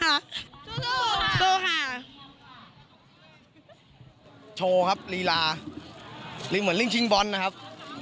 โชว์ค่ะโชว์ครับลีลาลิงเหมือนลิ่งชิงบอลนะครับ